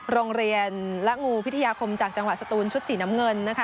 โรงเรียนและงูพิทยาคมจากจังหวัดสตูนชุดสีน้ำเงินนะคะ